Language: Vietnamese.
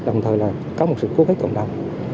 đồng thời là có một sự cố hết cộng đồng